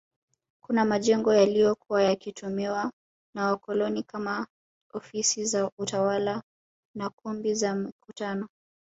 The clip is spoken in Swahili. Kuna majengo yaliyokuwa yakitumiwa na wakoloni kama ofisi za utawala na kumbi za mikutano